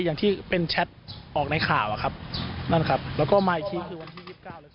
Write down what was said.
อย่างที่เป็นแชทออกในข่าวอะครับนั่นครับแล้วก็มาอีกทีคือวันที่ยี่สิบเก้า